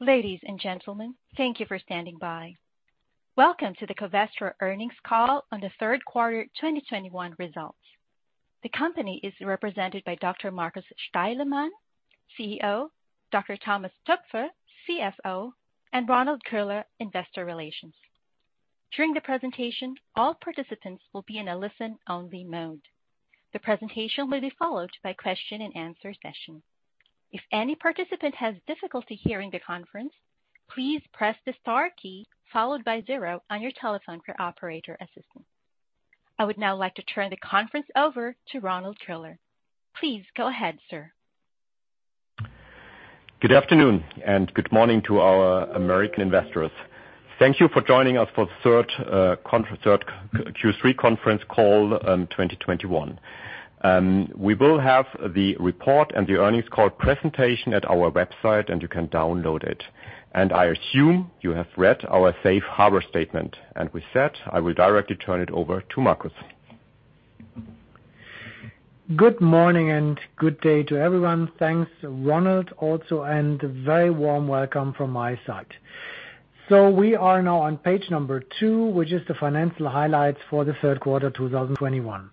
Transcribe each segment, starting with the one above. Ladies and gentlemen, thank you for standing by. Welcome to the Covestro Earnings Call on the Q3 2021 Results. The company is represented by Dr. Markus Steilemann, CEO, Dr. Thomas Toepfer, CFO, and Ronald Köhler, Investor Relations. During the presentation, all participants will be in a listen-only mode. The presentation will be followed by question and answer session. If any participant has difficulty hearing the conference, please press the star key followed by zero on your telephone for operator assistance. I would now like to turn the conference over to Ronald Köhler. Please go ahead, sir. Good afternoon and good morning to our American investors. Thank you for joining us for the Q3 conference call, 2021. We will have the report and the earnings call presentation at our website, and you can download it. I assume you have read our safe harbor statement. With that, I will directly turn it over to Markus. Good morning and good day to everyone. Thanks, Ronald, also, and a very warm welcome from my side. We are now on page number two, which is the financial highlights for the Q3 2021.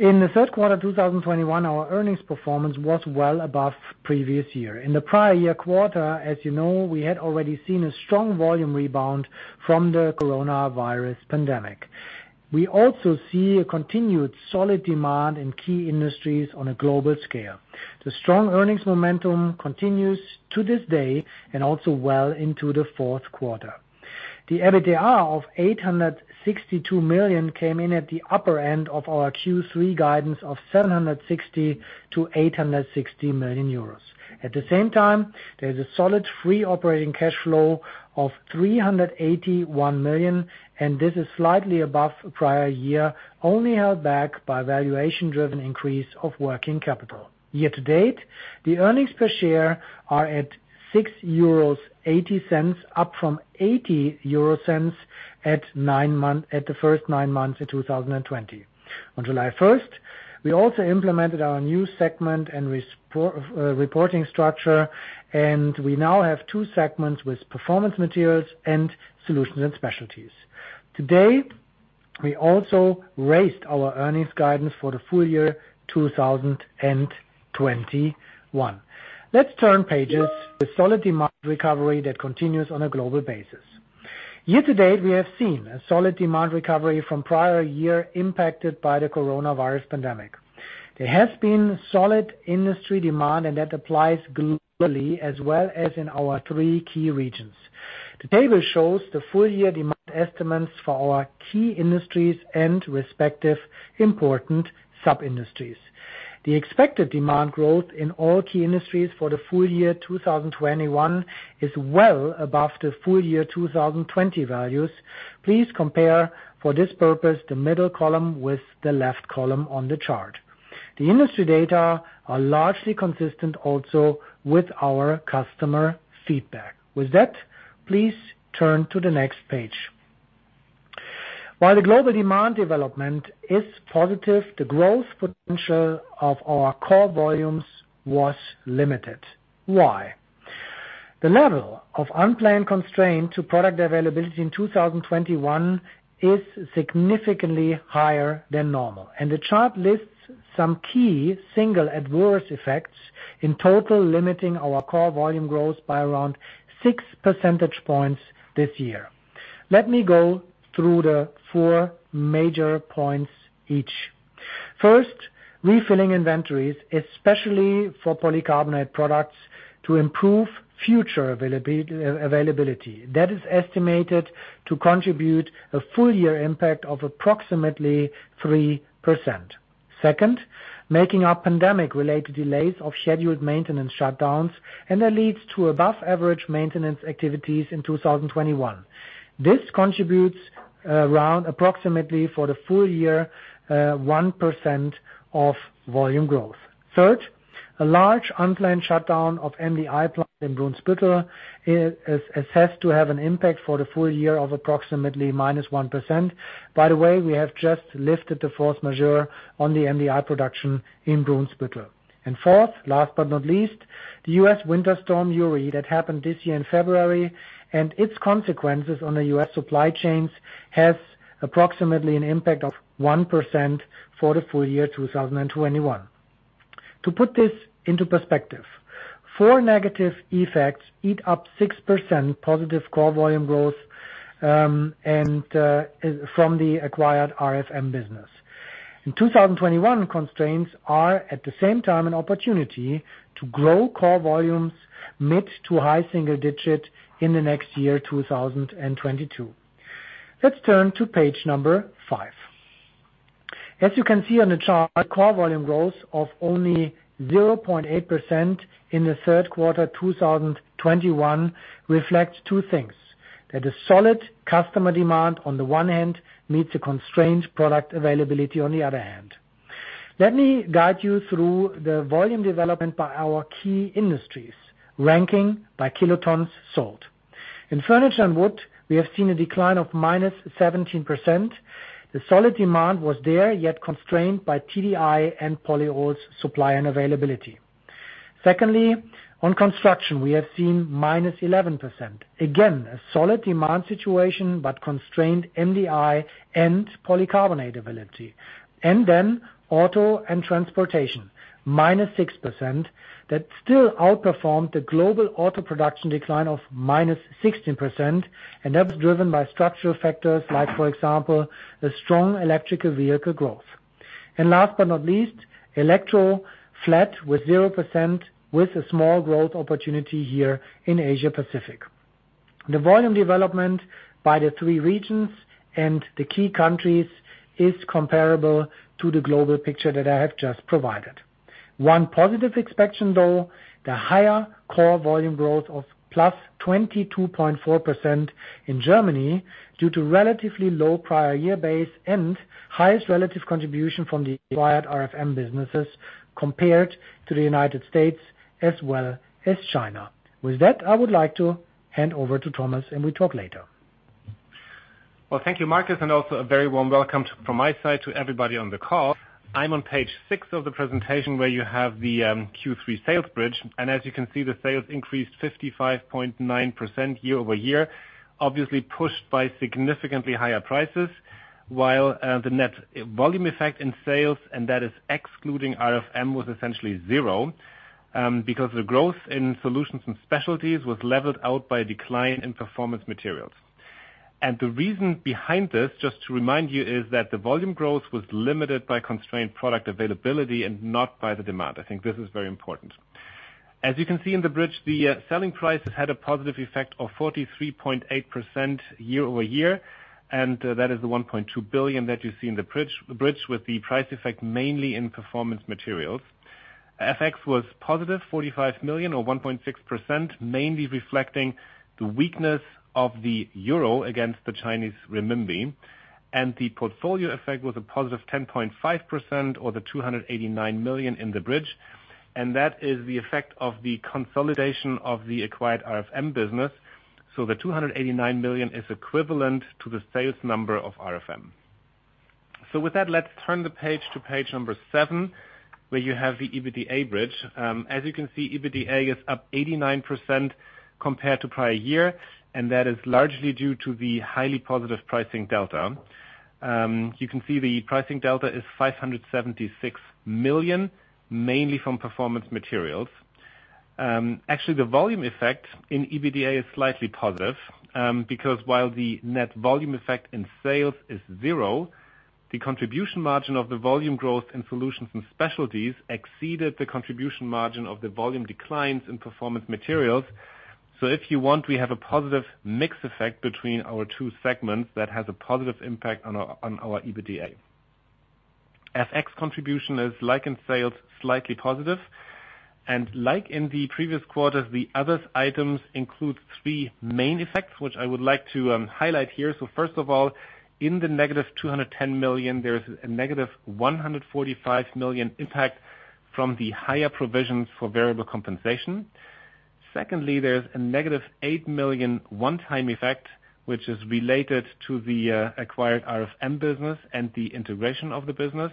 In the Q3 of 2021, our earnings performance was well above previous year. In the prior year quarter, as you know, we had already seen a strong volume rebound from the coronavirus pandemic. We also see a continued solid demand in key industries on a global scale. The strong earnings momentum continues to this day and also well into the Q4. The EBITDA of 862 million came in at the upper end of our Q3 guidance of 760 million-860 million euros. At the same time, there's a solid free operating cash flow of 381 million, and this is slightly above the prior year, only held back by valuation-driven increase of working capital. Year to date, the earnings per share are at 6.80 euros, up from 0.80 at the first nine months in 2020. On July 1st, we also implemented our new segment and reporting structure, and we now have two segments with Performance Materials and Solutions & Specialties. Today, we also raised our earnings guidance for the full year 2021. Let's turn pages. The solid demand recovery that continues on a global basis. Year to date, we have seen a solid demand recovery from prior year impacted by the coronavirus pandemic. There has been solid industry demand, and that applies globally as well as in our three key regions. The table shows the full year demand estimates for our key industries and respective important sub-industries. The expected demand growth in all key industries for the full year 2021 is well above the full year 2020 values. Please compare for this purpose the middle column with the left column on the chart. The industry data are largely consistent also with our customer feedback. With that, please turn to the next page. While the global demand development is positive, the growth potential of our core volumes was limited. Why? The level of unplanned constraint to product availability in 2021 is significantly higher than normal, and the chart lists some key single adverse effects in total limiting our core volume growth by around 6 percentage points this year. Let me go through the four major points. First, refilling inventories, especially for polycarbonate products, to improve future availability. That is estimated to contribute a full year impact of approximately 3%. Second, making up pandemic-related delays of scheduled maintenance shutdowns, and that leads to above average maintenance activities in 2021. This contributes around approximately for the full year 1% of volume growth. Third, a large unplanned shutdown of MDI plant in Brunsbüttel is assessed to have an impact for the full year of approximately -1%. By the way, we have just lifted the force majeure on the MDI production in Brunsbüttel. Fourth, last but not least, the U.S. winter storm Uri that happened this year in February and its consequences on the U.S. supply chains has approximately an impact of 1% for the full year 2021. To put this into perspective, four negative effects eat up 6% positive core volume growth from the acquired RFM business. In 2021, constraints are at the same time an opportunity to grow core volumes mid- to high-single-digit in the next year, 2022. Let's turn to page number five. As you can see on the chart, core volume growth of only 0.8% in Q3 2021 reflects two things, that a solid customer demand on the one hand meets a constrained product availability on the other hand. Let me guide you through the volume development by our key industries, ranking by kilotons sold. In furniture and wood, we have seen a decline of -17%. The solid demand was there, yet constrained by TDI and polyols supply and availability. Secondly, on construction, we have seen -11%. Again, a solid demand situation, but constrained MDI and polycarbonate availability. Then auto and transportation, -6%, that still outperformed the global auto production decline of -16%, and that was driven by structural factors like, for example, the strong electric vehicle growth. Last but not least, E&E flat with 0% with a small growth opportunity here in Asia-Pacific. The volume development by the three regions and the key countries is comparable to the global picture that I have just provided. One positive exception, though, the higher core volume growth of +22.4% in Germany due to relatively low prior year base and highest relative contribution from the acquired RFM businesses compared to the United States as well as China. With that, I would like to hand over to Thomas, and we talk later. Well, thank you, Markus, and also a very warm welcome from my side to everybody on the call. I'm on page six of the presentation, where you have the Q3 sales bridge. As you can see, the sales increased 55.9% year-over-year, obviously pushed by significantly higher prices, while the net volume effect in sales, and that is excluding RFM, was essentially zero because the growth in Solutions & Specialties was leveled out by a decline in Performance Materials. The reason behind this, just to remind you, is that the volume growth was limited by constrained product availability and not by the demand. I think this is very important. As you can see in the bridge, the selling price has had a positive effect of 43.8% year-over-year, and that is the 1.2 billion that you see in the bridge with the price effect mainly in Performance Materials. FX was positive, 45 million or 1.6%, mainly reflecting the weakness of the Euro against the Chinese Renminbi. The portfolio effect was a positive 10.5% or the 289 million in the bridge, and that is the effect of the consolidation of the acquired RFM business. The 289 million is equivalent to the sales number of RFM. With that, let's turn the page to page number seven, where you have the EBITDA bridge. As you can see, EBITDA is up 89% compared to prior year, and that is largely due to the highly positive pricing delta. You can see the pricing delta is 576 million, mainly from Performance Materials. Actually, the volume effect in EBITDA is slightly positive, because while the net volume effect in sales is zero, the contribution margin of the volume growth in Solutions & Specialties exceeded the contribution margin of the volume declines in Performance Materials. So if you want, we have a positive mix effect between our two segments that has a positive impact on our EBITDA. FX contribution is like in sales, slightly positive. Like in the previous quarters, the other items include three main effects, which I would like to highlight here. First of all, in the negative 210 million, there is a negative 145 million impact from the higher provisions for variable compensation. Secondly, there's a negative 8 million one-time effect, which is related to the acquired RFM business and the integration of the business.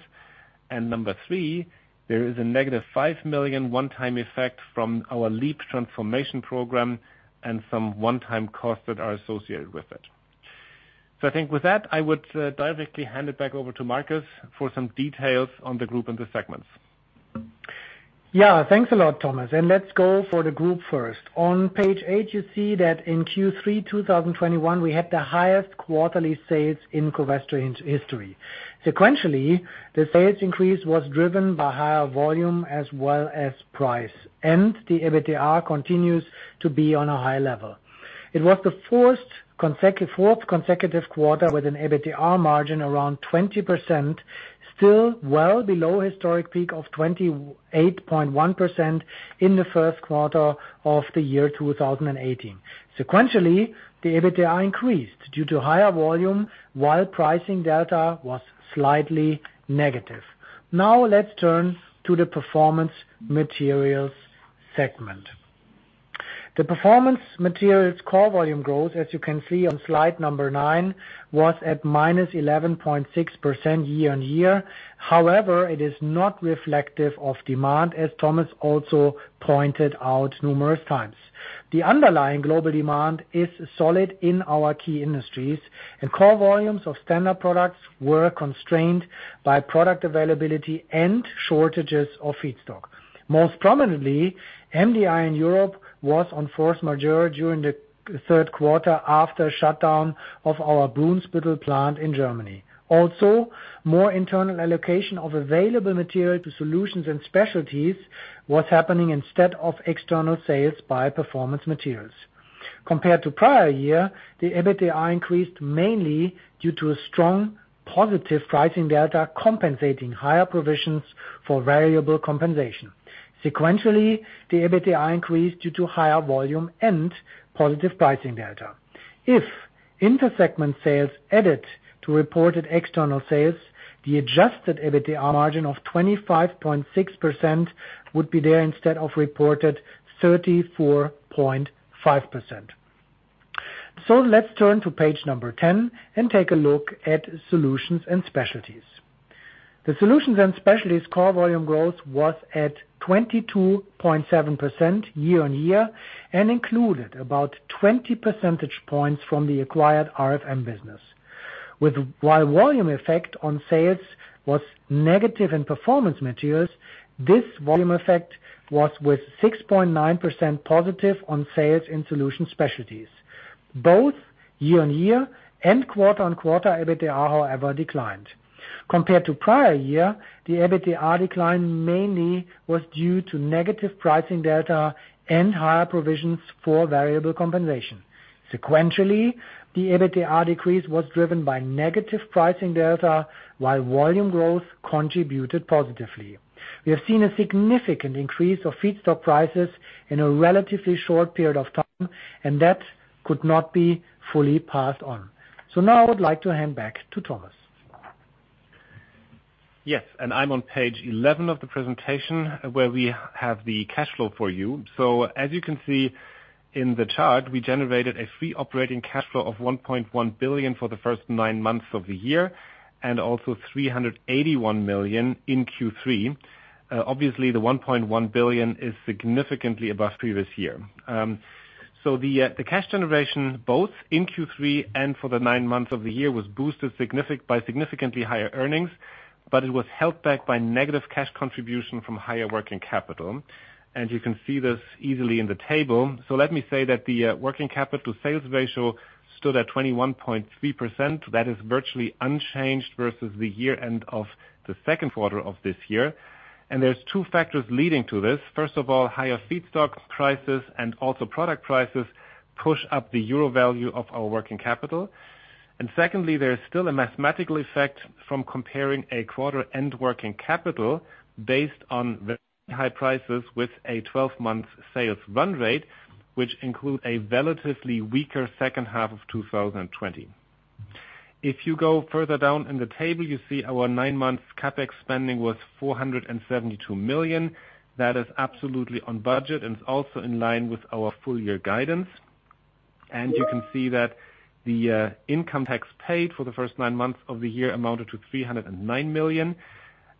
Number three, there is a negative 5 million one-time effect from our LEAP transformation program and some one-time costs that are associated with it. I think with that, I would directly hand it back over to Markus for some details on the group and the segments. Yeah. Thanks a lot, Thomas, and let's go for the group first. On page eight, you see that in Q3 2021, we had the highest quarterly sales in Covestro history. Sequentially, the sales increase was driven by higher volume as well as price, and the EBITDA continues to be on a high level. It was the fourth consecutive quarter with an EBITDA margin around 20%, still well below historic peak of 28.1% in the Q1 of the year 2018. Sequentially, the EBITDA increased due to higher volume while pricing delta was slightly negative. Now let's turn to the Performance Materials segment. The Performance Materials core volume growth, as you can see on slide number nine, was at -11.6% year-on-year. However, it is not reflective of demand, as Thomas also pointed out numerous times. The underlying global demand is solid in our key industries, and core volumes of standard products were constrained by product availability and shortages of feedstock. Most prominently, MDI in Europe was on force majeure during the Q3 after shutdown of our Brunsbüttel plant in Germany. Also, more internal allocation of available material to Solutions & Specialties was happening instead of external sales by Performance Materials. Compared to prior year, the EBITDA increased mainly due to a strong positive pricing delta compensating higher provisions for variable compensation. Sequentially, the EBITDA increased due to higher volume and positive pricing delta. Intersegment sales added to reported external sales. The Adjusted EBITDA margin of 25.6% would be there instead of reported 34.5%. Let's turn to page number 10 and take a look at Solutions & Specialties. The Solutions & Specialties core volume growth was at 22.7% year-on-year, and included about 20 percentage points from the acquired RFM business. While volume effect on sales was negative in Performance Materials, this volume effect was with +6.9% on sales in Solutions & Specialties, both year-on-year and quarter-on-quarter. EBITDA, however, declined. Compared to prior year, the EBITDA decline mainly was due to negative pricing data and higher provisions for variable compensation. Sequentially, the EBITDA decrease was driven by negative pricing data, while volume growth contributed positively. We have seen a significant increase of feedstock prices in a relatively short period of time, and that could not be fully passed on. Now I would like to hand back to Thomas. Yes. I'm on page 11 of the presentation where we have the cash flow for you. As you can see in the chart, we generated a free operating cash flow of 1.1 billion for the first nine months of the year, and also 381 million in Q3. Obviously the 1.1 billion is significantly above previous year. The cash generation, both in Q3 and for the nine months of the year, was boosted by significantly higher earnings, but it was held back by negative cash contribution from higher working capital. You can see this easily in the table. Let me say that the working capital sales ratio stood at 21.3%. That is virtually unchanged versus the year end of the Q2 of this year. There's two factors leading to this. First of all, higher feedstock prices and also product prices push up the Euro value of our working capital. Secondly, there is still a mathematical effect from comparing a quarter end working capital based on very high prices with a 12-month sales run rate, which includes a relatively weaker second half of 2020. If you go further down in the table, you see our nine-month CapEx spending was 472 million. That is absolutely on budget and is also in line with our full year guidance. You can see that the income tax paid for the first nine months of the year amounted to 309 million.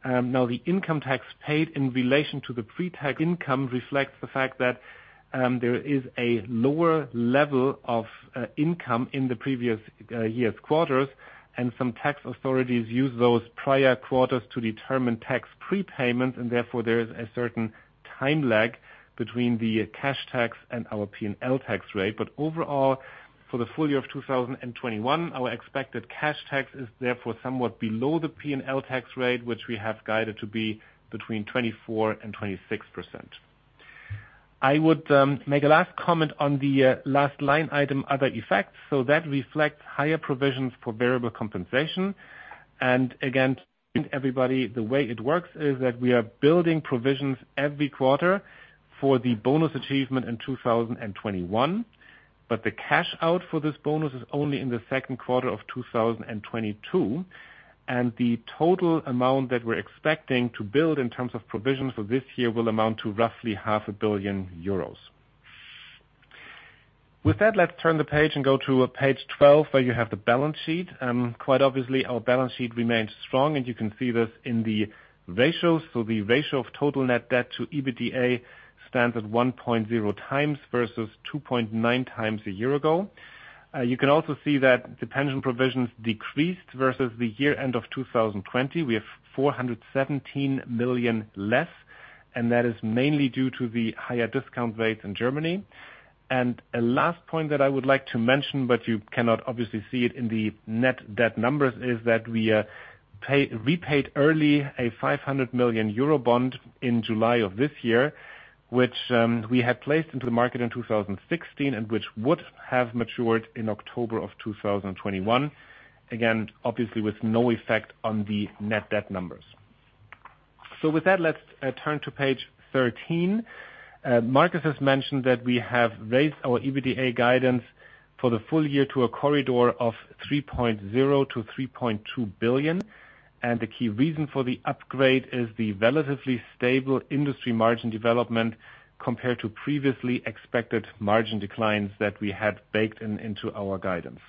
Now the income tax paid in relation to the pre-tax income reflects the fact that there is a lower level of income in the previous year's quarters, and some tax authorities use those prior quarters to determine tax prepayment, and therefore there is a certain time lag between the cash tax and our P&L tax rate. Overall, for the full year of 2021, our expected cash tax is therefore somewhat below the P&L tax rate, which we have guided to be between 24%-26%. I would make a last comment on the last line item, other effects, that reflects higher provisions for variable compensation. Again, everybody, the way it works is that we are building provisions every quarter for the bonus achievement in 2021, but the cash out for this bonus is only in the Q2 of 2022. The total amount that we're expecting to build in terms of provisions for this year will amount to roughly 500 million euros. With that, let's turn the page and go to page 12, where you have the balance sheet. Quite obviously, our balance sheet remains strong, and you can see this in the ratios. The ratio of total net debt to EBITDA stands at 1.0x versus 2.9x a year ago. You can also see that the pension provisions decreased versus the year-end of 2020. We have 417 million less, and that is mainly due to the higher discount rates in Germany. A last point that I would like to mention, but you cannot obviously see it in the net debt numbers, is that we repaid early a 500 million euro bond in July of this year, which we had placed into the market in 2016 and which would have matured in October of 2021. Again, obviously with no effect on the net debt numbers. With that, let's turn to page 13. Markus has mentioned that we have raised our EBITDA guidance for the full year to a corridor of 3.0 billion-3.2 billion. The key reason for the upgrade is the relatively stable industry margin development compared to previously expected margin declines that we had baked into our guidance.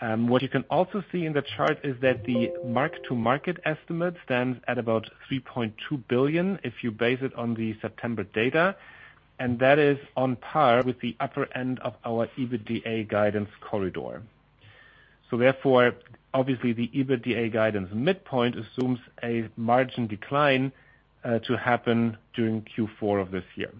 What you can also see in the chart is that the mark-to-market estimate stands at about 3.2 billion if you base it on the September data, and that is on par with the upper end of our EBITDA guidance corridor. Therefore, obviously, the EBITDA guidance midpoint assumes a margin decline to happen during Q4 of this year.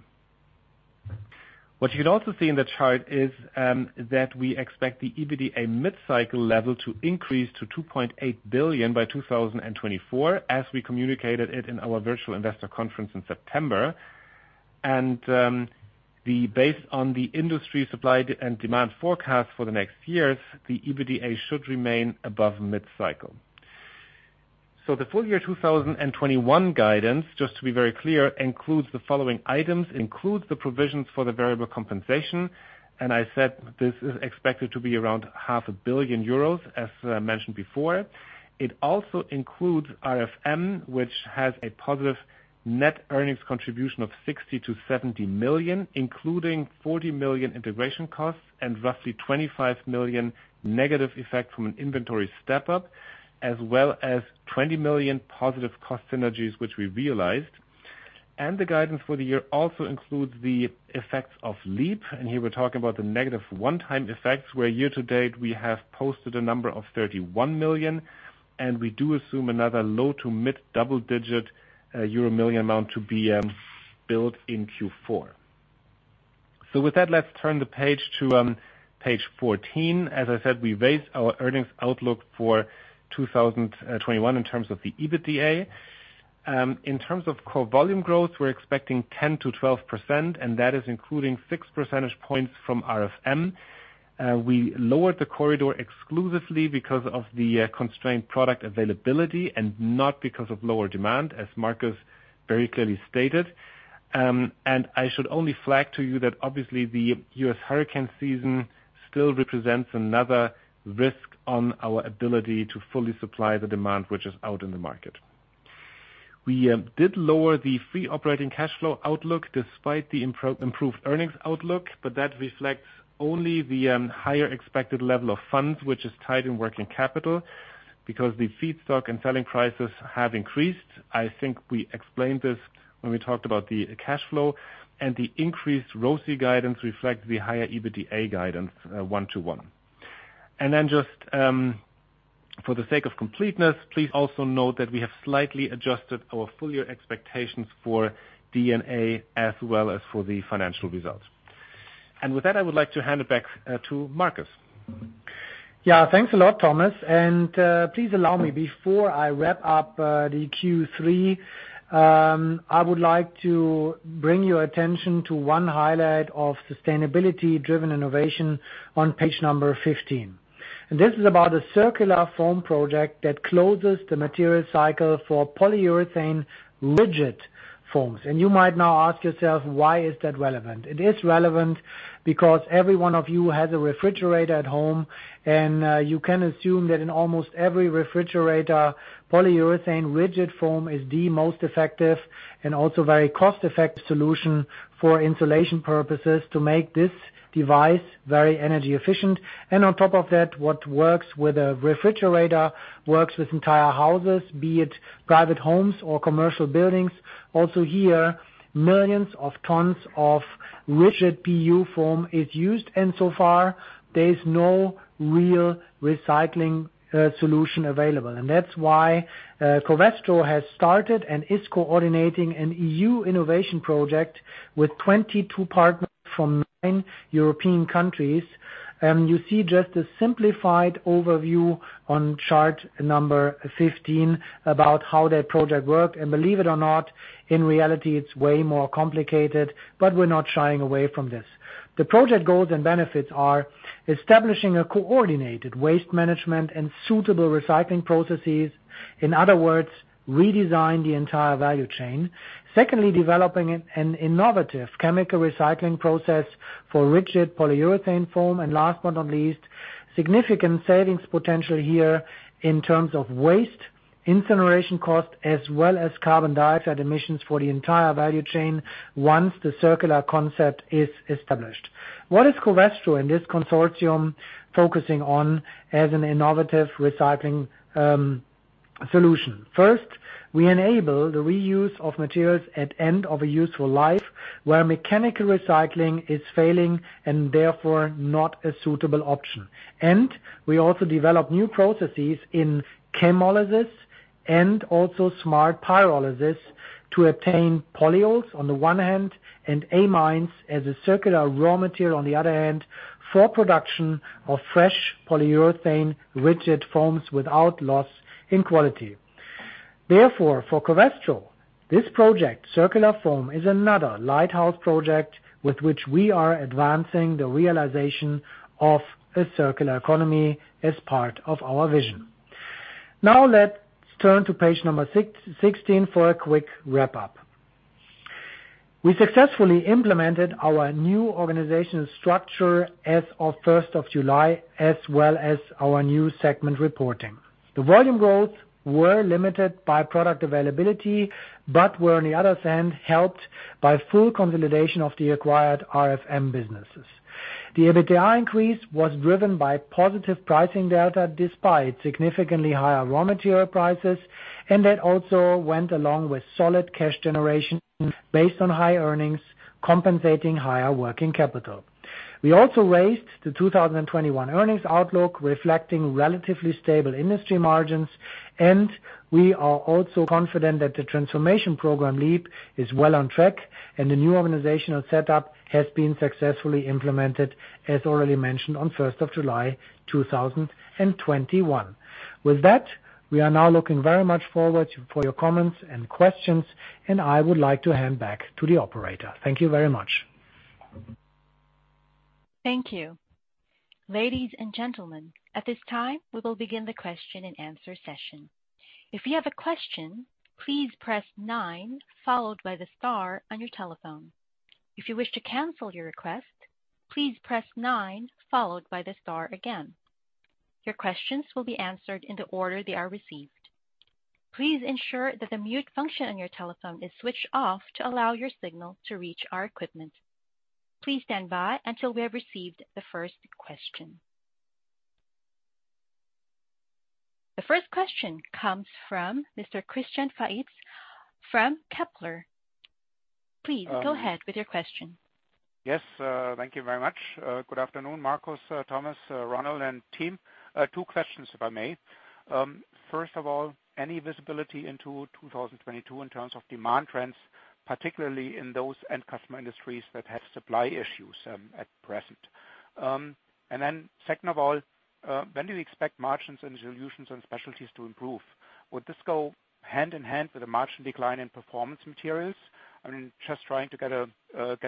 What you can also see in the chart is that we expect the EBITDA mid-cycle level to increase to 2.8 billion by 2024, as we communicated it in our Virtual Investor Conference in September. Based on the industry supply and demand forecast for the next years, the EBITDA should remain above mid-cycle. The full year 2021 guidance, just to be very clear, includes the following items. It includes the provisions for the variable compensation, and I said this is expected to be around 500 million euros, as mentioned before. It also includes RFM, which has a positive net earnings contribution of 60 million-70 million, including 40 million integration costs and roughly 25 million negative effect from an inventory step-up, as well as 20 million positive cost synergies, which we realized. The guidance for the year also includes the effects of LEAP. Here, we're talking about the negative one-time effects, where year-to-date we have posted a number of 31 million, and we do assume another low- to mid-double-digit Euro million amount to be built in Q4. With that, let's turn the page to page 14. As I said, we raised our earnings outlook for 2021 in terms of the EBITDA. In terms of core volume growth, we're expecting 10%-12%, and that is including 6 percentage points from RFM. We lowered the corridor exclusively because of the constrained product availability and not because of lower demand, as Markus very clearly stated. I should only flag to you that obviously, the U.S. hurricane season still represents another risk on our ability to fully supply the demand which is out in the market. We did lower the free operating cash flow outlook despite the improved earnings outlook, but that reflects only the higher expected level of funds which is tied in working capital because the feedstock and selling prices have increased. I think we explained this when we talked about the cash flow. The increased ROCE guidance reflects the higher EBITDA guidance, one to one. Then just for the sake of completeness, please also note that we have slightly adjusted our full year expectations for D&A as well as for the financial results. With that, I would like to hand it back to Markus. Thanks a lot, Thomas. Please allow me, before I wrap up, the Q3, I would like to bring your attention to one highlight of sustainability-driven innovation on page 15. This is about a Circular Foam project that closes the material cycle for polyurethane rigid foams. You might now ask yourself, "Why is that relevant?" It is relevant because every one of you has a refrigerator at home, and you can assume that in almost every refrigerator, polyurethane rigid foam is the most effective and also very cost-effective solution for insulation purposes to make this device very energy efficient. On top of that, what works with a refrigerator works with entire houses, be it private homes or commercial buildings. Also here, millions of tons of rigid PU foam is used, and so far there is no real recycling solution available. That's why Covestro has started and is coordinating an E.U. innovation project with 22 partners from nine European countries. You see just a simplified overview on chart number 15 about how that project works. Believe it or not, in reality, it's way more complicated, but we're not shying away from this. The project goals and benefits are establishing a coordinated waste management and suitable recycling processes. In other words, redesign the entire value chain. Secondly, developing an innovative chemical recycling process for rigid polyurethane foam. Last but not least, significant savings potential here in terms of waste, incineration costs, as well as carbon dioxide emissions for the entire value chain once the circular concept is established. What is Covestro in this consortium focusing on as an innovative recycling solution? First, we enable the reuse of materials at end of a useful life where mechanical recycling is failing and therefore not a suitable option. We also develop new processes in chemolysis and also smart pyrolysis to attain polyols on the one hand, and amines as a circular raw material on the other hand, for production of fresh polyurethane rigid foams without loss in quality. Therefore, for Covestro, this project, Circular Foam, is another lighthouse project with which we are advancing the realization of a circular economy as part of our vision. Now, let's turn to page 16 for a quick wrap-up. We successfully implemented our new organizational structure as of 1st of July, as well as our new segment reporting. The volume growth were limited by product availability, but were on the other hand, helped by full consolidation of the acquired RFM businesses. The EBITDA increase was driven by positive pricing data despite significantly higher raw material prices, and that also went along with solid cash generation based on high earnings compensating higher working capital. We also raised the 2021 earnings outlook reflecting relatively stable industry margins, and we are also confident that the transformation program, LEAP, is well on track and the new organizational setup has been successfully implemented, as already mentioned on July 1st, 2021. With that, we are now looking very much forward for your comments and questions, and I would like to hand back to the operator. Thank you very much. Thank you. Ladies and gentlemen, at this time, we will begin the question and answer session. If you have a question, please press nine followed by the star on your telephone. If you wish to cancel your request, please press nine followed by the star again. Your questions will be answered in the order they are received. Please ensure that the mute function on your telephone is switched off to allow your signal to reach our equipment. Please stand by until we have received the first question. The first question comes from Mr. Christian Faitz from Kepler. Please go ahead with your question. Yes, thank you very much. Good afternoon, Markus, Thomas, Ronald, and team. Two questions, if I may. First of all, any visibility into 2022 in terms of demand trends, particularly in those end customer industries that have supply issues at present. Second of all, when do you expect margins in Solutions & Specialties to improve? Would this go hand-in-hand with the margin decline in Performance Materials? I mean, just trying to get a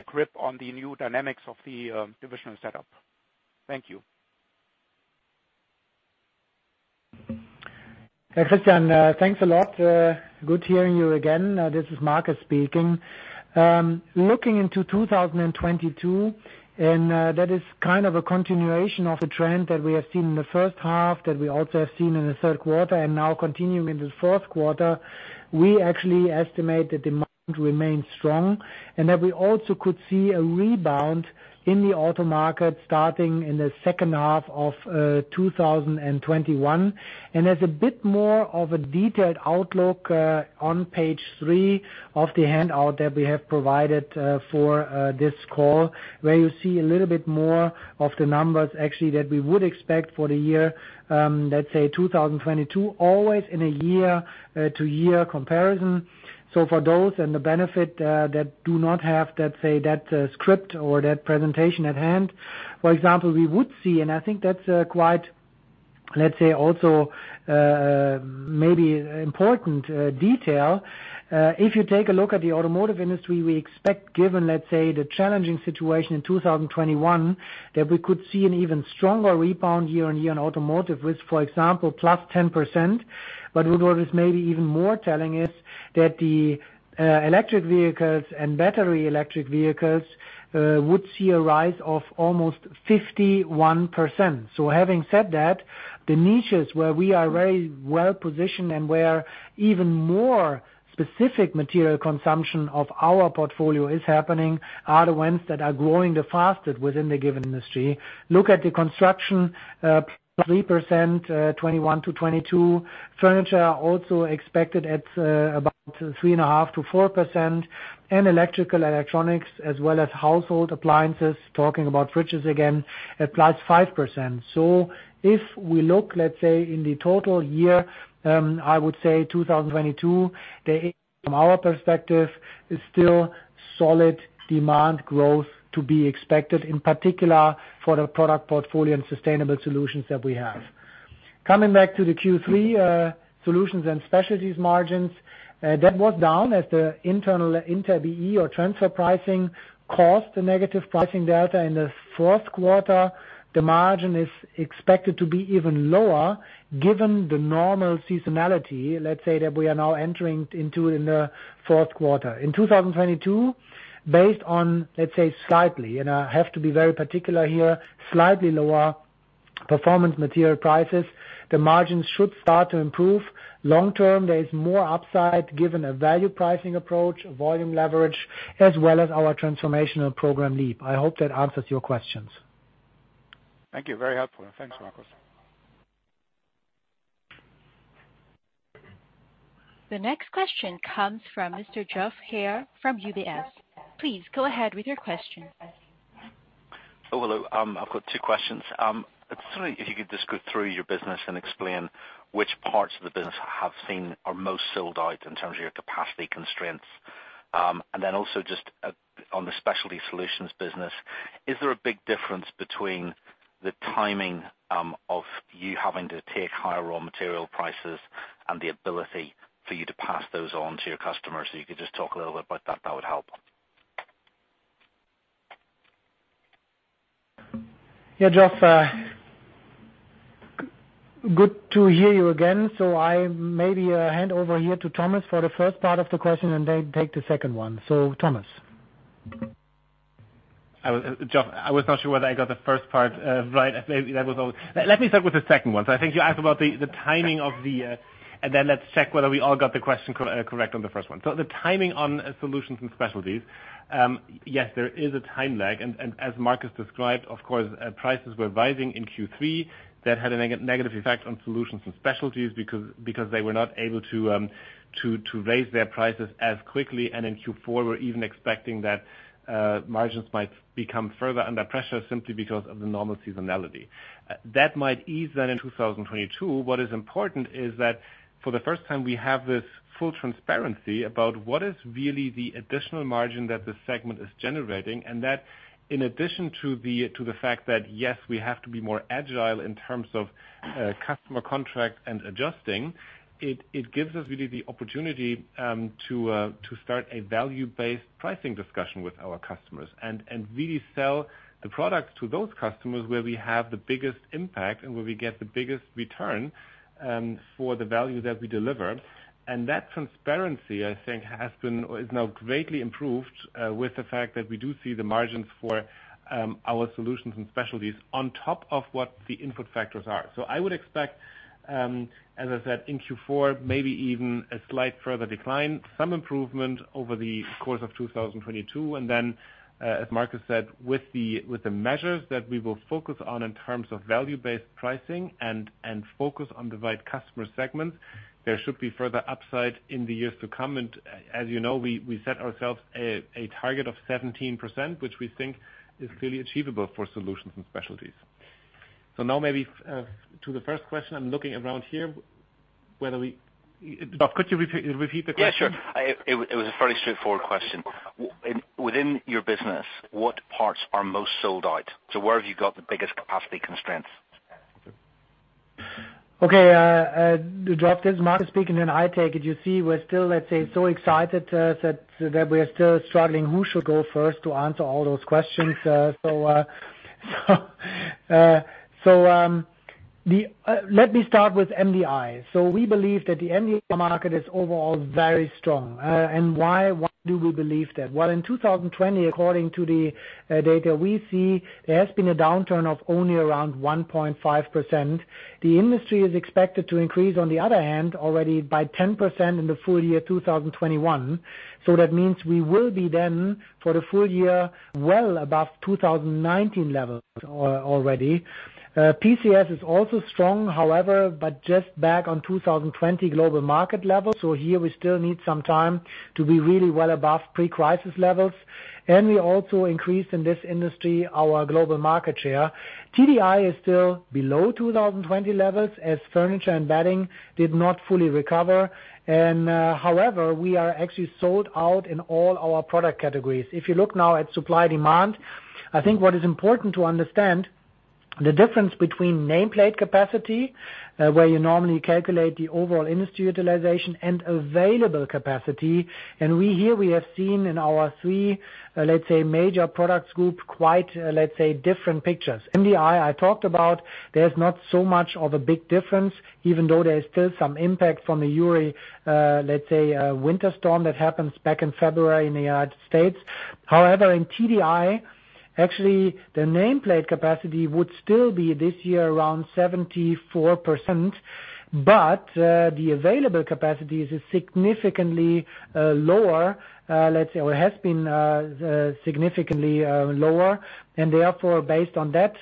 grip on the new dynamics of the divisional setup. Thank you. Hey, Christian, thanks a lot. Good hearing you again. This is Markus speaking. Looking into 2022, that is kind of a continuation of the trend that we have seen in the first half, that we also have seen in the Q3, and now continuing in the Q4. We actually estimate the demand to remain strong, and that we also could see a rebound in the auto market starting in the second half of 2021. There's a bit more of a detailed outlook on page three of the handout that we have provided for this call, where you see a little bit more of the numbers actually that we would expect for the year, let's say 2022, always in a year-to-year comparison. For the benefit of those that do not have, let's say, that script or that presentation at hand. For example, we would see, and I think that's quite, let's say, also, maybe important detail. If you take a look at the automotive industry, we expect, given, let's say, the challenging situation in 2021, that we could see an even stronger rebound year-on-year in automotive with, for example, +10%. What was maybe even more telling is that the electric vehicles and battery electric vehicles would see a rise of almost 51%. Having said that, the niches where we are very well-positioned and where even more specific material consumption of our portfolio is happening are the ones that are growing the fastest within the given industry. Look at the construction +3%, 2021-2022. Furniture also expected at about 3.5%-4%. Electrical and electronics as well as household appliances, talking about fridges again, at +5%. If we look, let's say, in the total year, I would say 2022, from our perspective is still solid demand growth to be expected, in particular for the product portfolio and sustainable solutions that we have. Coming back to the Q3 Solutions & Specialties margins, that was down as the internal intra-BE or transfer pricing caused a negative pricing delta. In the Q4, the margin is expected to be even lower given the normal seasonality, let's say, that we are now entering into in the Q4. In 2022, based on, let's say, slightly, and I have to be very particular here, slightly lower Performance Materials prices, the margins should start to improve. Long term, there is more upside given a value pricing approach, volume leverage, as well as our transformational program LEAP. I hope that answers your questions. Thank you. Very helpful. Thanks, Markus. The next question comes from Mr. Geoff Haire from UBS. Please go ahead with your question. Oh, hello. I've got two questions. It's really if you could just go through your business and explain which parts of the business have seen the most sold out in terms of your capacity constraints. Then also just on the Solutions & Specialties business, is there a big difference between the timing of you having to take higher raw material prices and the ability for you to pass those on to your customers? If you could just talk a little bit about that would help. Yeah, Geoff, good to hear you again. I maybe hand over here to Thomas for the first part of the question and then take the second one. Thomas. I was, Geoff, I was not sure whether I got the first part right. Maybe that was all. Let me start with the second one. I think you asked about the timing of the. Then let's check whether we all got the question correct on the first one. The timing on Solutions & Specialties. Yes, there is a time lag. As Markus described, of course, prices were rising in Q3. That had a negative effect on Solutions & Specialties because they were not able to raise their prices as quickly. In Q4, we're even expecting that margins might become further under pressure simply because of the normal seasonality. That might ease then in 2022. What is important is that for the first time, we have this full transparency about what is really the additional margin that the segment is generating. That in addition to the fact that, yes, we have to be more agile in terms of customer contract and adjusting, it gives us really the opportunity to start a value-based pricing discussion with our customers. Really sell the products to those customers where we have the biggest impact and where we get the biggest return for the value that we deliver. That transparency, I think, has been, or is now greatly improved with the fact that we do see the margins for our Solutions & Specialties on top of what the input factors are. I would expect, as I said, in Q4, maybe even a slight further decline, some improvement over the course of 2022. Then, as Markus said, with the measures that we will focus on in terms of value-based pricing and focus on the right customer segments, there should be further upside in the years to come. As you know, we set ourselves a target of 17%, which we think is really achievable for Solutions & Specialties. Now maybe to the first question, I'm looking around here whether we. Geoff, could you repeat the question? Yeah, sure. It was a fairly straightforward question. Within your business, what parts are most sold out? Where have you got the biggest capacity constraints? Geoff, this is Markus speaking, and I take it you see we're still, let's say, so excited that we are still struggling who should go first to answer all those questions. Let me start with MDI. We believe that the MDI market is overall very strong. Why do we believe that? Well, in 2020, according to the data we see, there has been a downturn of only around 1.5%. The industry is expected to increase, on the other hand, already by 10% in the full year 2021. That means we will be then, for the full year, well above 2019 levels already. PCS is also strong, however, but just back on 2020 global market levels. Here we still need some time to be really well above pre-crisis levels. We also increased in this industry our global market share. TDI is still below 2020 levels as furniture and bedding did not fully recover. However, we are actually sold out in all our product categories. If you look now at supply-demand, I think what is important to understand, the difference between nameplate capacity, where you normally calculate the overall industry utilization and available capacity. Here we have seen in our three, let's say, major products group, quite, let's say, different pictures. MDI, I talked about, there's not so much of a big difference, even though there is still some impact from the Uri winter storm that happened back in February in the United States. However, in TDI, actually, the nameplate capacity would still be this year around 74%. The available capacity is significantly lower, let's say, or has been significantly lower. Therefore, based on that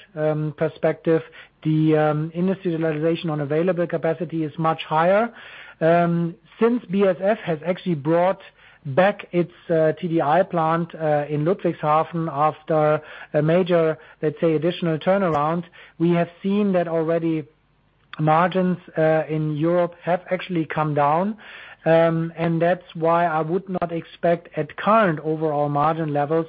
perspective, the industry utilization on available capacity is much higher. Since BASF has actually brought back its TDI plant in Ludwigshafen after a major, let's say, additional turnaround, we have seen that already, margins in Europe have actually come down. That's why I would not expect at current overall margin levels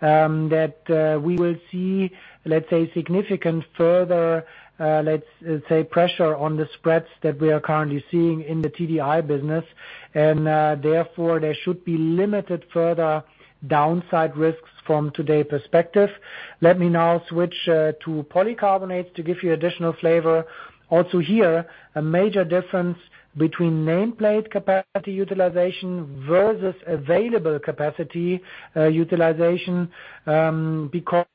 that we will see, let's say, significant further, let's say, pressure on the spreads that we are currently seeing in the TDI business. Therefore, there should be limited further downside risks from today's perspective. Let me now switch to polycarbonates to give you additional flavor. Also here, a major difference between nameplate capacity utilization versus available capacity utilization because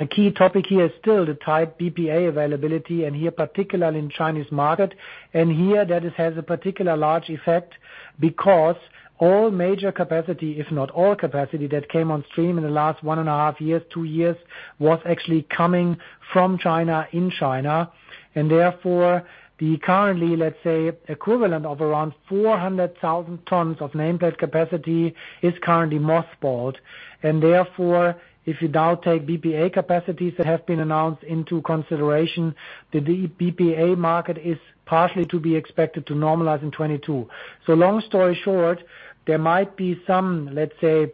a key topic here is still the tight BPA availability, and here, particularly in the Chinese market. Here that it has a particularly large effect because all major capacity, if not all capacity that came on stream in the last 1.5 years, two years, was actually coming from China, in China. Therefore, the current, let's say, equivalent of around 400,000 tons of nameplate capacity is currently mothballed. Therefore, if you now take BPA capacities that have been announced into consideration, the BPA market is partially to be expected to normalize in 2022. Long story short, there might be some, let's say,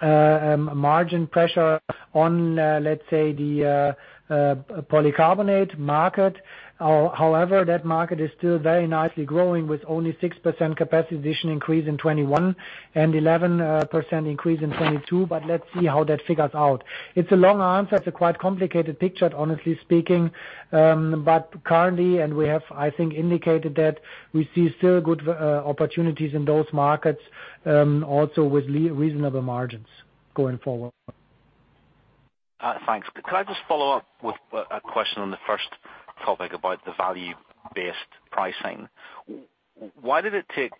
margin pressure on, let's say the polycarbonate market. However, that market is still very nicely growing with only 6% capacity addition increase in 2021 and 11% increase in 2022. Let's see how that figures out. It's a long answer. It's a quite complicated picture, honestly speaking. Currently, and we have, I think, indicated that we see still good opportunities in those markets, also with reasonable margins going forward. Thanks. Could I just follow up with a question on the first topic about the value-based pricing? Why did it take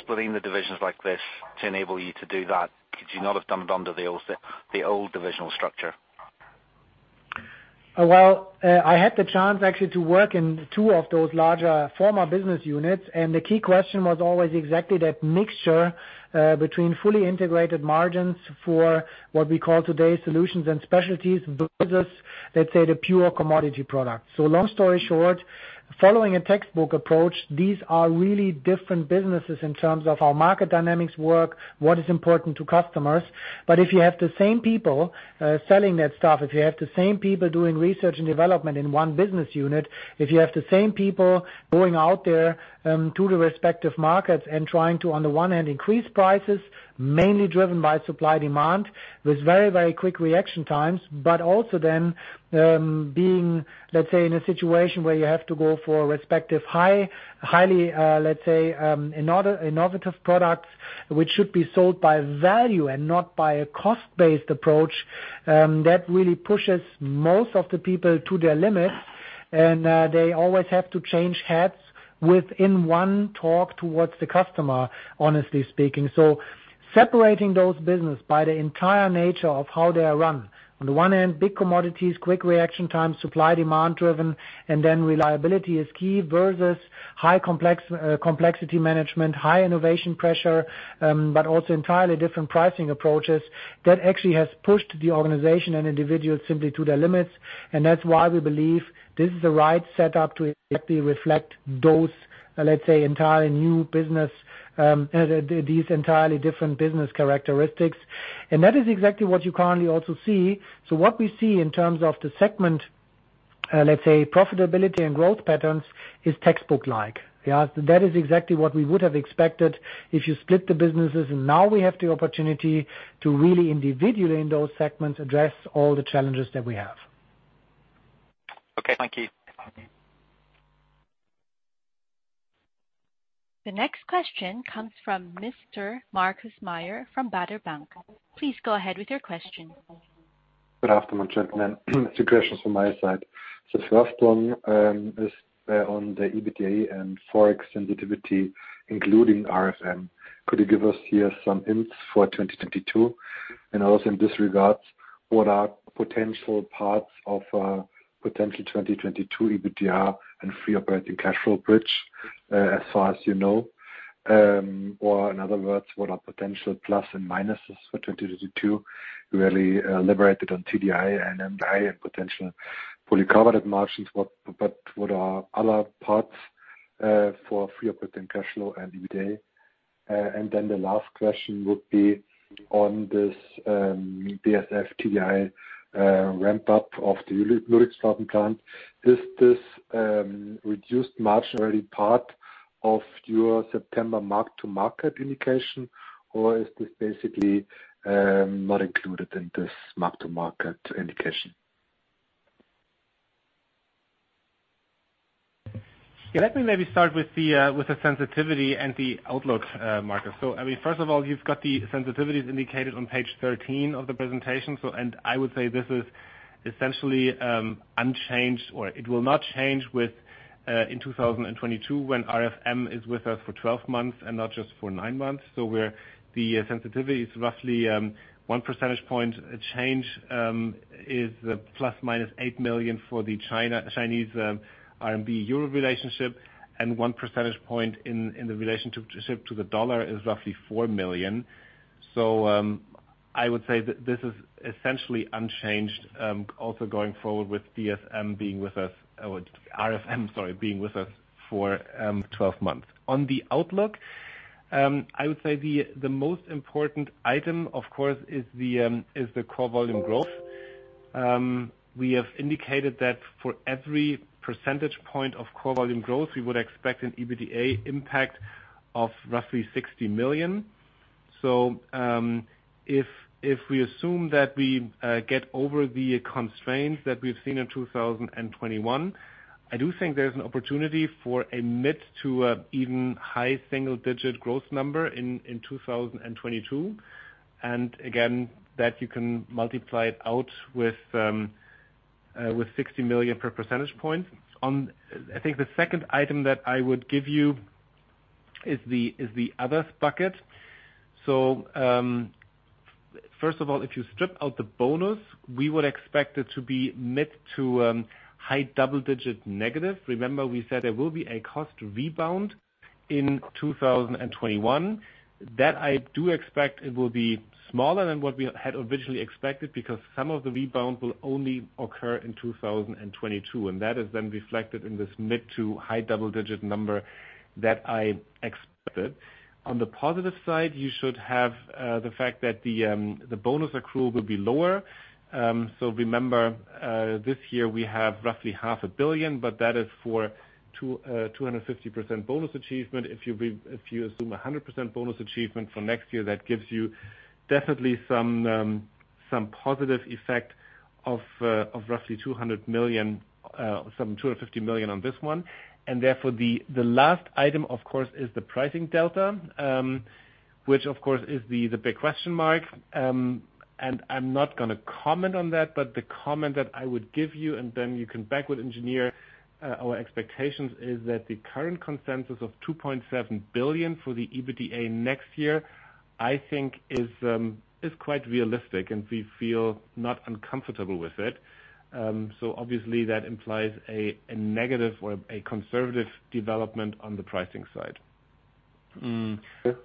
splitting the divisions like this to enable you to do that? Could you not have done it under the old divisional structure? Well, I had the chance actually to work in two of those larger former business units, and the key question was always exactly that mixture, between fully integrated margins for what we call today Solutions & Specialties versus, let's say, the pure commodity product. Long story short, following a textbook approach, these are really different businesses in terms of how market dynamics work, what is important to customers. If you have the same people, selling that stuff, if you have the same people doing research and development in one business unit, if you have the same people going out there, to the respective markets and trying to, on the one hand, increase prices mainly driven by supply-demand, with very, very quick reaction times. Being, let's say, in a situation where you have to go for respective highly innovative products, which should be sold by value and not by a cost-based approach, that really pushes most of the people to their limits. They always have to change hats within one talk towards the customer, honestly speaking. Separating those business by the entire nature of how they are run, on the one hand, big commodities, quick reaction times, supply-demand driven, and then reliability is key versus high complexity management, high innovation pressure, but also entirely different pricing approaches. That actually has pushed the organization and individuals simply to their limits, and that's why we believe this is the right setup to exactly reflect those, let's say, entirely new business, these entirely different business characteristics. That is exactly what you currently also see. What we see in terms of the segment, let's say, profitability and growth patterns is textbook-like. Yeah. That is exactly what we would have expected if you split the businesses, and now we have the opportunity to really individually in those segments address all the challenges that we have. Okay, thank you. The next question comes from Mr. Markus Mayer from Baader Bank. Please go ahead with your question. Good afternoon, gentlemen. Two questions from my side. The first one is on the EBITDA and FX sensitivity, including RFM. Could you give us some hints for 2022? Also in this regard, what are potential parts of potential 2022 EBITDA and free operating cash flow bridge, as far as you know? Or in other words, what are potential pluses and minuses for 2022, really, leveraged on TDI and MDI and potential polycarbonate margins? But what are other parts for free operating cash flow and EBITDA? Then the last question would be on this BASF TDI ramp up of the Ludwigshafen plant. Is this reduced margin already part of your September mark-to-market indication, or is this basically not included in this mark-to-market indication? Yeah. Let me maybe start with the sensitivity and the outlook, Markus. I mean, first of all, you've got the sensitivities indicated on page 13 of the presentation. I would say this is essentially unchanged, or it will not change with in 2022 when RFM is with us for 12 months and not just for nine months. The sensitivity is roughly 1 percentage point change isEUR ±8 million for the Chinese RMB-Euro relationship, and 1 percentage point in the relationship to the dollar is roughly 4 million. I would say this is essentially unchanged also going forward with RFM being with us, sorry, being with us for 12 months. On the outlook, I would say the most important item, of course, is the core volume growth. We have indicated that for every percentage point of core volume growth, we would expect an EBITDA impact of roughly 60 million. If we assume that we get over the constraints that we've seen in 2021, I do think there's an opportunity for a mid- to even high single-digit growth number in 2022. Again, that you can multiply it out with 60 million per percentage point. I think the second item that I would give you is the others bucket. First of all, if you strip out the bonus, we would expect it to be mid- to high double-digit negative. Remember, we said there will be a cost rebound in 2021. That I do expect it will be smaller than what we had originally expected because some of the rebound will only occur in 2022, and that is then reflected in this mid- to high double-digit number that I expected. On the positive side, you should have the fact that the bonus accrual will be lower. Remember, this year we have roughly 500 million, but that is for 250% bonus achievement. If you assume 100% bonus achievement for next year, that gives you definitely some positive effect of roughly 200 million, some 250 million on this one. Therefore, the last item, of course, is the pricing delta, which of course is the big question mark. I'm not gonna comment on that, but the comment that I would give you, and then you can backward engineer our expectations is that the current consensus of 2.7 billion for the EBITDA next year, I think is quite realistic, and we feel not uncomfortable with it. So obviously that implies a negative or a conservative development on the pricing side. Okay.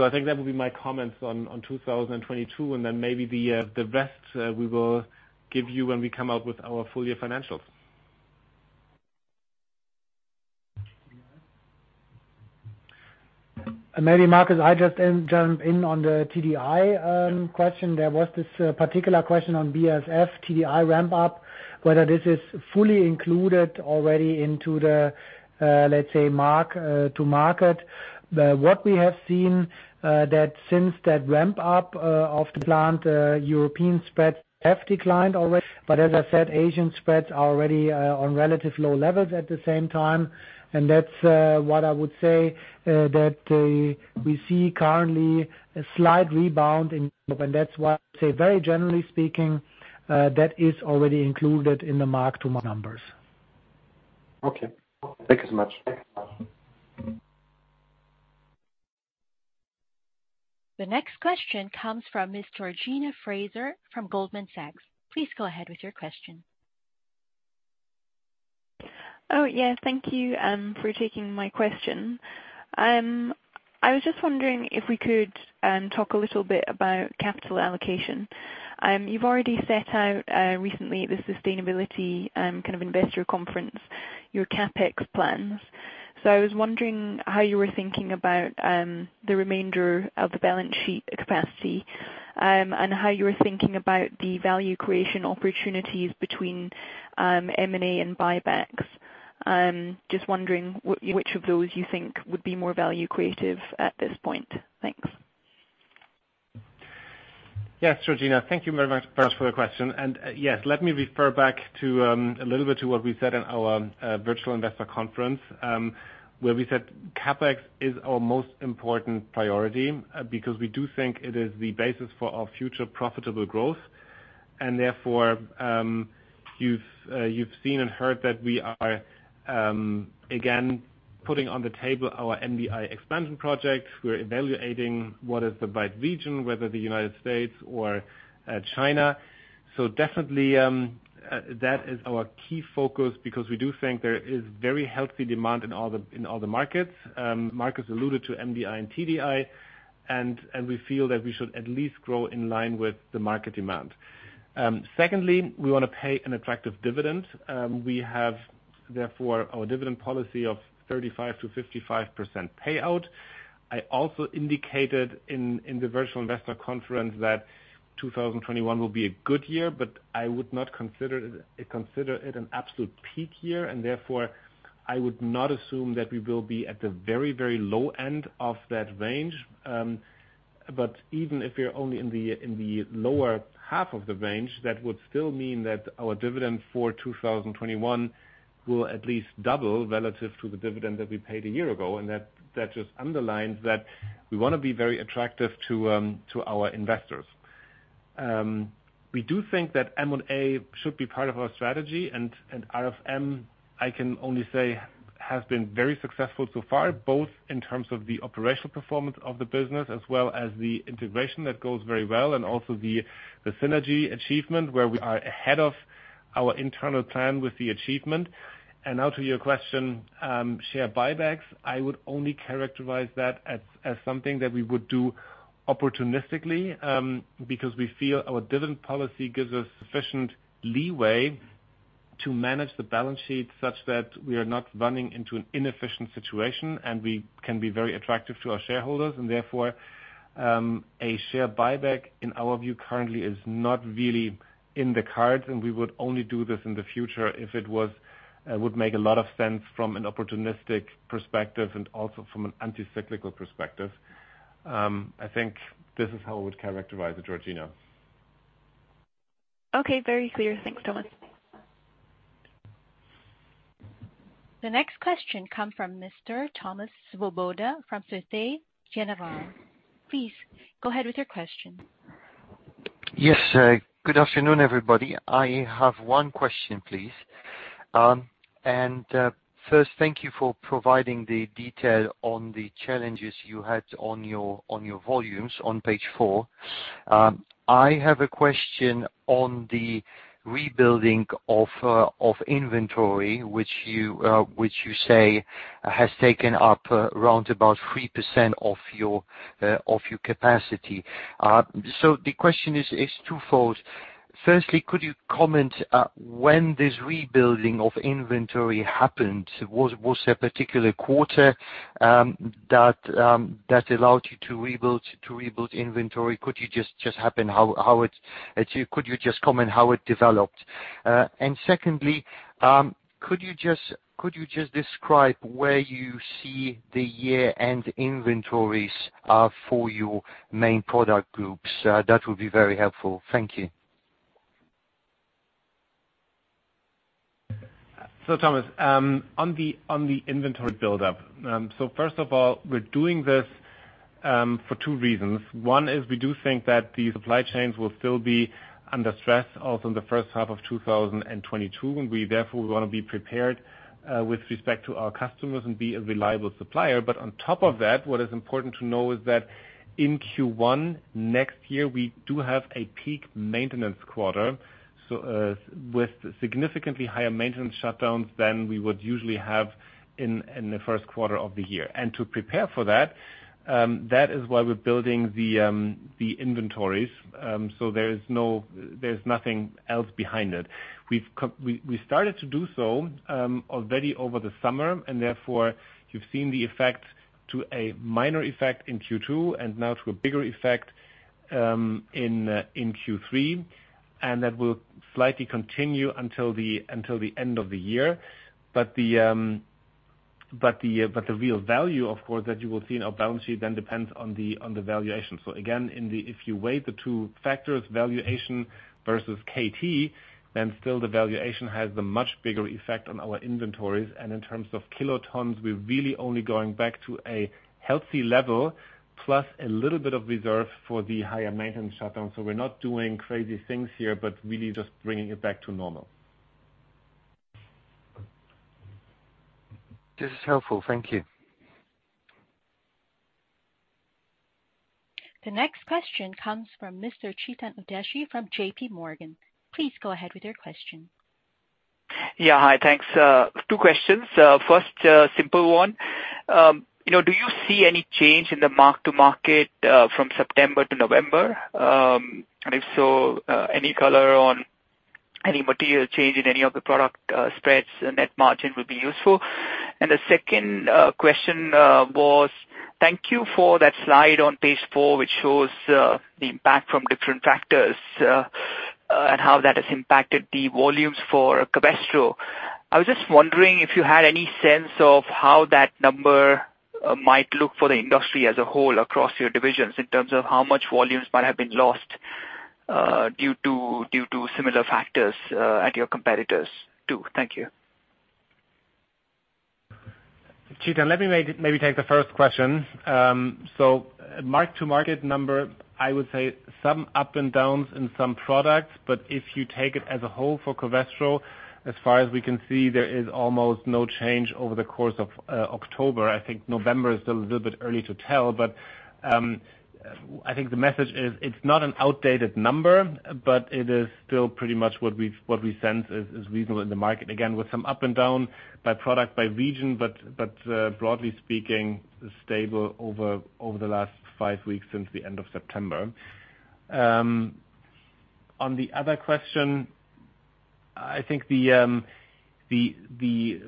I think that would be my comments on 2022, and then maybe the rest we will give you when we come out with our full year financials. Yeah. Maybe Markus, I just jump in on the TDI question. There was this particular question on BASF TDI ramp up, whether this is fully included already into the, let's say mark-to-market. What we have seen that since that ramp up of the plant, European spreads have declined already. But as I said, Asian spreads are already on relatively low levels at the same time. That's what I would say that we see currently a slight rebound in That's why I say very generally speaking, that is already included in the mark-to-market numbers. Okay. Thank you so much. The next question comes from Miss Georgina Fraser from Goldman Sachs. Please go ahead with your question. Oh, yeah, thank you for taking my question. I was just wondering if we could talk a little bit about capital allocation. You've already set out recently the sustainability kind of investor conference, your CapEx plans. I was wondering how you were thinking about the remainder of the balance sheet capacity and how you were thinking about the value creation opportunities between M&A and buybacks. Just wondering which of those you think would be more value creative at this point. Thanks. Yes, Georgina. Thank you very much first for the question. Yes, let me refer back to a little bit to what we said in our Virtual Investor Conference, where we said CapEx is our most important priority, because we do think it is the basis for our future profitable growth. Therefore, you've seen and heard that we are again putting on the table our MDI expansion project. We're evaluating what is the right region, whether the United States or China. Definitely, that is our key focus because we do think there is very healthy demand in all the markets. Markus alluded to MDI and TDI, and we feel that we should at least grow in line with the market demand. Secondly, we wanna pay an attractive dividend. We have therefore our dividend policy of 35%-55% payout. I also indicated in the Virtual Investor Conference that 2021 will be a good year, but I would not consider it an absolute peak year, and therefore, I would not assume that we will be at the very, very low end of that range. Even if we're only in the lower half of the range, that would still mean that our dividend for 2021 will at least double relative to the dividend that we paid a year ago. That just underlines that we wanna be very attractive to our investors. We do think that M&A should be part of our strategy, and RFM, I can only say, has been very successful so far, both in terms of the operational performance of the business as well as the integration that goes very well, and also the synergy achievement, where we are ahead of our internal plan with the achievement. Now to your question, share buybacks, I would only characterize that as something that we would do opportunistically, because we feel our dividend policy gives us sufficient leeway to manage the balance sheet such that we are not running into an inefficient situation and we can be very attractive to our shareholders. Therefore, a share buyback, in our view, currently is not really in the cards, and we would only do this in the future if it would make a lot of sense from an opportunistic perspective and also from an anti-cyclical perspective. I think this is how I would characterize it, Georgina. Okay. Very clear. Thanks, Thomas. The next question comes from Mr. Thomas Swoboda from Société Générale. Please go ahead with your question. Yes. Good afternoon, everybody. I have one question, please. First, thank you for providing the detail on the challenges you had on your volumes on page four. I have a question on the rebuilding of inventory, which you say has taken up around about 3% of your capacity. The question is twofold. Firstly, could you comment when this rebuilding of inventory happened? Was there a particular quarter that allowed you to rebuild inventory? Could you just comment how it developed? Secondly, could you describe where you see the year-end inventories for your main product groups? That would be very helpful. Thank you. Thomas, on the inventory buildup. First of all, we're doing this for two reasons. One is we do think that the supply chains will still be under stress also in the first half of 2022, and we therefore wanna be prepared with respect to our customers and be a reliable supplier. On top of that, what is important to know is that in Q1 next year, we do have a peak maintenance quarter with significantly higher maintenance shutdowns than we would usually have in the Q1 of the year. To prepare for that is why we're building the inventories. There's nothing else behind it. We started to do so already over the summer, and therefore you've seen the effect to a minor effect in Q2 and now to a bigger effect in Q3. That will slightly continue until the end of the year. The real value, of course, that you will see in our balance sheet then depends on the valuation. Again, if you weigh the two factors, valuation versus KT, then still the valuation has the much bigger effect on our inventories. In terms of kilotons, we're really only going back to a healthy level plus a little bit of reserve for the higher maintenance shutdown. We're not doing crazy things here, but really just bringing it back to normal. This is helpful. Thank you. The next question comes from Mr. Chetan Udeshi from JPMorgan. Please go ahead with your question. Yeah. Hi, thanks. Two questions. First, a simple one. You know, do you see any change in the mark to market from September to November? And if so, any color on any material change in any of the product spreads and net margin would be useful. The second question was thank you for that slide on page four, which shows the impact from different factors and how that has impacted the volumes for Covestro. I was just wondering if you had any sense of how that number might look for the industry as a whole across your divisions in terms of how much volumes might have been lost due to similar factors at your competitors too. Thank you. Chetan, let me maybe take the first question. So mark-to-market number, I would say some up and downs in some products, but if you take it as a whole for Covestro, as far as we can see, there is almost no change over the course of October. I think November is still a little bit early to tell, but I think the message is it's not an outdated number, but it is still pretty much what we sense is reasonable in the market. Again, with some up and down by product, by region, but broadly speaking, stable over the last five weeks since the end of September. On the other question, I think the-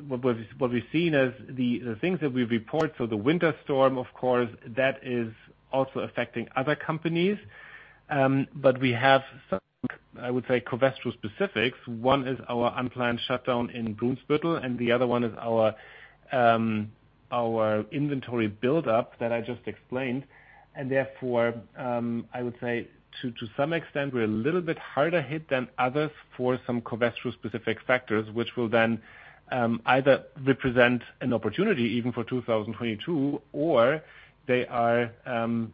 What we've seen is the things that we report, so the winter storm, of course, that is also affecting other companies. We have some, I would say, Covestro specifics. One is our unplanned shutdown in Brunsbüttel, and the other one is our inventory buildup that I just explained. Therefore, I would say to some extent, we're a little bit harder hit than others for some Covestro specific factors, which will then either represent an opportunity even for 2022 or they are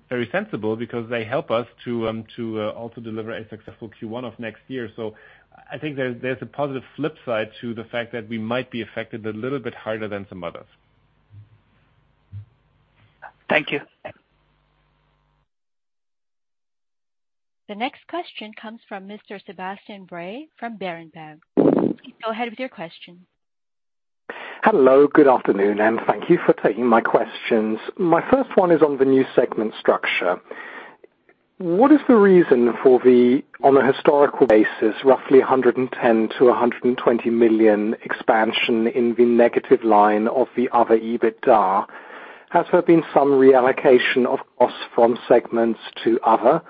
very sensible because they help us to also deliver a successful Q1 of next year. I think there's a positive flip side to the fact that we might be affected a little bit harder than some others. Thank you. The next question comes from Mr. Sebastian Bray from Berenberg. Please go ahead with your question. Hello, good afternoon, and thank you for taking my questions. My first one is on the new segment structure. What is the reason for, on a historical basis, roughly 110 million-120 million expansion in the negative line of the other EBITDA? Has there been some reallocation of costs from segments to other?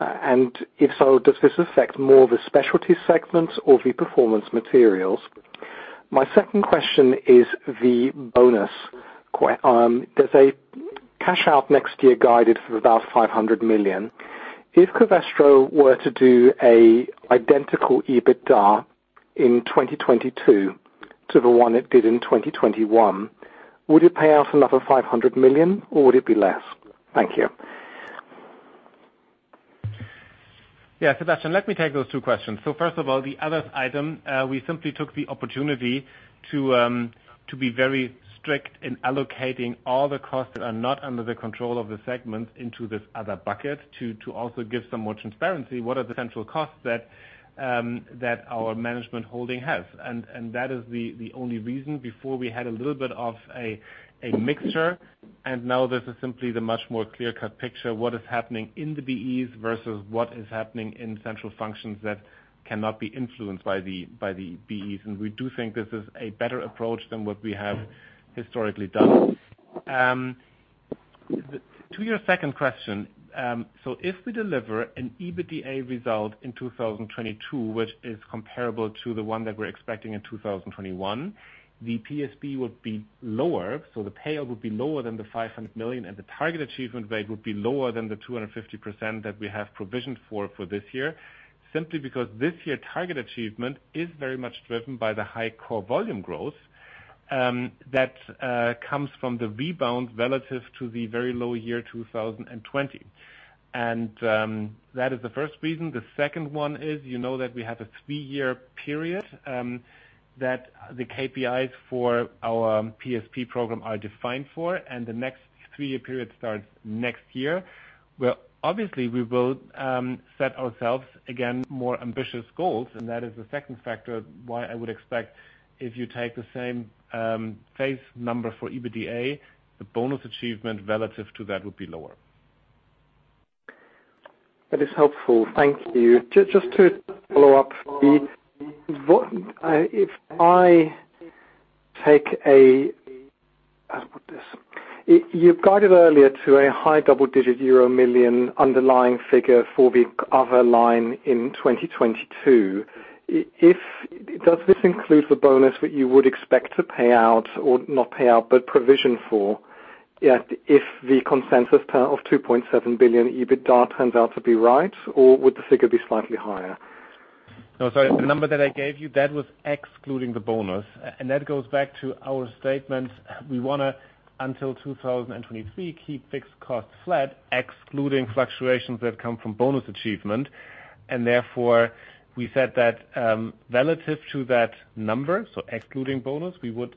And if so, does this affect more of the specialty segments or the Performance Materials? My second question is the bonus. There's a cash out next year guided for about 500 million. If Covestro were to do a identical EBITDA in 2022 to the one it did in 2021, would it pay out another 500 million or would it be less? Thank you. Yeah, Sebastian, let me take those two questions. First of all, the others item, we simply took the opportunity to be very strict in allocating all the costs that are not under the control of the segments into this other bucket to also give some more transparency. What are the central costs that our management holding has? That is the only reason before we had a little bit of a mixture, and now this is simply the much more clear-cut picture, what is happening in the BEs versus what is happening in central functions that cannot be influenced by the BEs. We do think this is a better approach than what we have historically done. To your second question, so if we deliver an EBITDA result in 2022, which is comparable to the one that we're expecting in 2021, the PSP would be lower, so the payout would be lower than the 500 million, and the target achievement rate would be lower than the 250% that we have provisioned for this year, simply because this year, target achievement is very much driven by the high core volume growth. That comes from the rebound relative to the very low year 2020. That is the first reason. The second one is, you know that we have a three-year period that the KPIs for our PSP program are defined for, and the next three-year period starts next year. Well, obviously, we will set ourselves again more ambitious goals, and that is the second factor why I would expect if you take the same base number for EBITDA, the bonus achievement relative to that would be lower. That is helpful. Thank you. Just to follow up, if I take a-. How to put this? You guided earlier to a high double-digit euro million underlying figure for the other line in 2022. If does this include the bonus that you would expect to pay out or not pay out, but provision for, yet if the consensus of 2.7 billion EBITDA turns out to be right, or would the figure be slightly higher? No, sorry. The number that I gave you, that was excluding the bonus. That goes back to our statements. We wanna, until 2023, keep fixed costs flat, excluding fluctuations that come from bonus achievement. Therefore, we said that, relative to that number, so excluding bonus, we would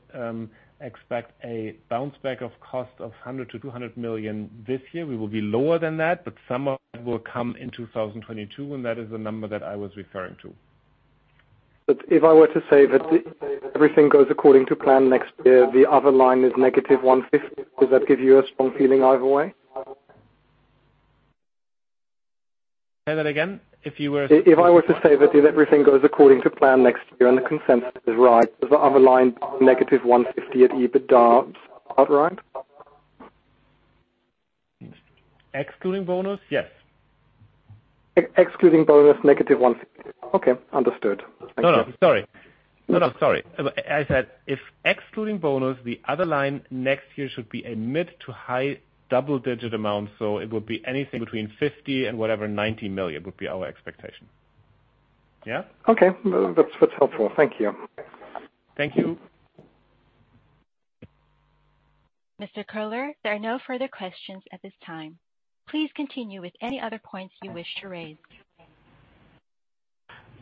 expect a bounce back in costs of 100-200 million this year. We will be lower than that, but some of it will come in 2022, and that is the number that I was referring to. If I were to say that everything goes according to plan next year, the other line is -150 million, does that give you a strong feeling either way? Say that again. If I were to say that if everything goes according to plan next year and the consensus is right, is the other line -150 million at EBITDA, is that right? Excluding bonus? Yes. Excluding bonus, -150 million. Okay. Understood. Thank you. No, no, sorry. I said, if excluding bonus, the other line next year should be a mid to high double-digit amount. It would be anything between 50 million and whatever 90 million would be our expectation. Yeah? Okay. That's helpful. Thank you. Thank you. Mr. Köhler, there are no further questions at this time. Please continue with any other points you wish to raise.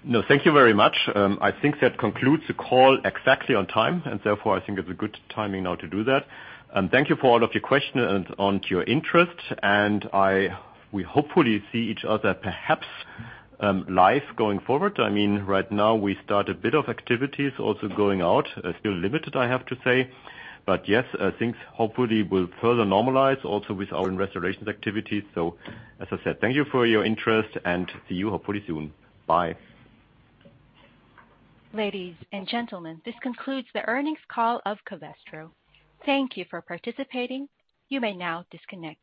No, thank you very much. I think that concludes the call exactly on time, and therefore, I think it's a good timing now to do that. Thank you for all of your questions and your interest. We hopefully see each other, perhaps, live going forward. I mean, right now, we start a bit of activities also going out, still limited, I have to say. Yes, things hopefully will further normalize also with our relations activities. As I said, thank you for your interest and see you hopefully soon. Bye. Ladies and gentlemen, this concludes the earnings call of Covestro. Thank you for participating. You may now disconnect.